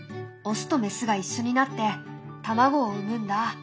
オスとメスが一緒になって卵を産むんだ。